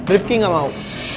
rivki gak mau